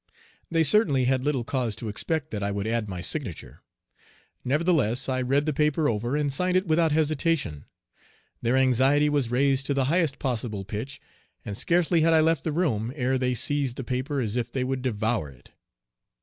They certainly had little cause to expect that I would add my signature. Nevertheless I read the paper over and signed it without hesitation. Their anxiety was raised to the highest possible pitch, and scarcely had I left the room ere they seized the paper as if they would devour it.